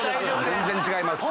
全然違います。